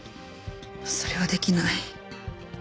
それはできない。